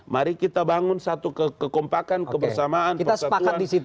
mari kita bangun satu kekompakan kebersamaan persatuan dalam menghadapi masyarakat